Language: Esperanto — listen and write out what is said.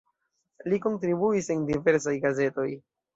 Li kontribuis en diversaj gazetoj.